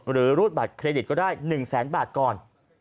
หรือรูดบัตรเครดิตก็ได้๑๐๐๐๐๐บาทก่อน